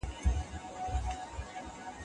که مجازي ښوونه روانه وي، تعلیم نه درېږي.